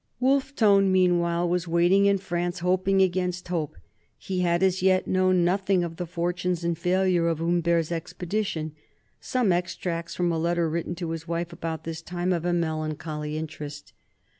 Wolfe Tone meanwhile was waiting in France, hoping against hope. He had as yet known nothing of the fortunes and failure of Humbert's expedition. Some extracts from a letter written to his wife about this time have a melancholy interest.